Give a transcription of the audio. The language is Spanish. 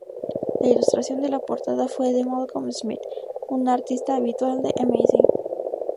La ilustración de la portada fue de Malcolm Smith, un artista habitual de "Amazing".